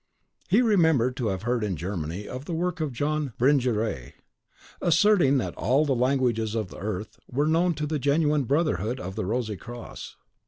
He remembered to have heard in Germany of the work of John Bringeret (Printed in 1615.), asserting that all the languages of the earth were known to the genuine Brotherhood of the Rosy Cross.